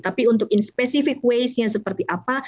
tapi untuk in spesifik waste nya seperti apa